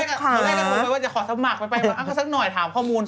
ตอนแรกสมมัครไปอะสักหน่อยถามข้อมูล